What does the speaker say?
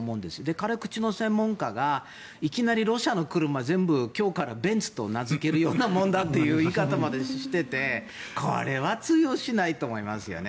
辛口の専門家がいきなりロシアの車を今日からベンツと名付けるようなものだという言い方もしていてこれは通用しないと思いますけどね。